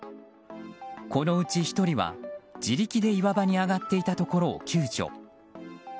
このうち１人は自力で岩がに上がっていたところを救助。